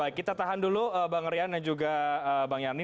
baik kita tahan dulu bang rian dan juga bang yanni